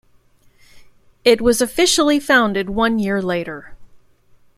It was officially founded one year later.